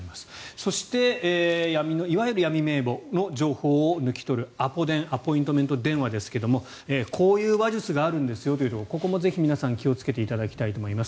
そして、いわゆる闇名簿の情報を抜き取るアポ電アポイントメント電話ですがこういう話術があるんですよというところここも皆さん、ぜひ気をつけていただきたいと思います。